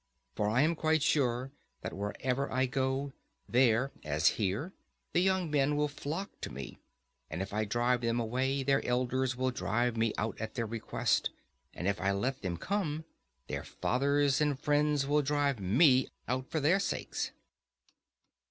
For I am quite sure that wherever I go, there, as here, the young men will flock to me; and if I drive them away, their elders will drive me out at their request; and if I let them come, their fathers and friends will drive me out for their sakes.